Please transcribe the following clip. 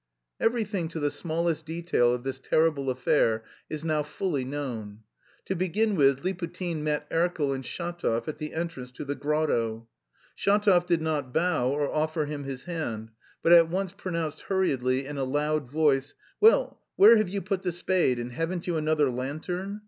Everything, to the smallest detail of this terrible affair, is now fully known. To begin with, Liputin met Erkel and Shatov at the entrance to the grotto. Shatov did not bow or offer him his hand, but at once pronounced hurriedly in a loud voice: "Well, where have you put the spade, and haven't you another lantern?